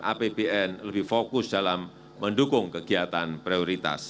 apbn lebih fokus dalam mendukung kegiatan prioritas